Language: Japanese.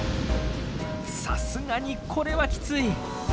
さすがにこれはキツイ！